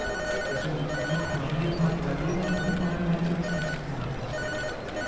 Somit blieb Maria Magdalena unverheiratet und kinderlos.